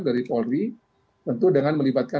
dari polri tentu dengan melibatkan